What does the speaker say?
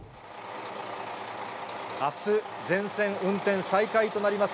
あす、全線運転再開となります